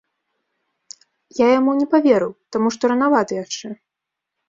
Я яму не паверыў, таму што ранавата яшчэ.